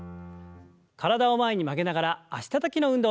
体を前に曲げながら脚たたきの運動です。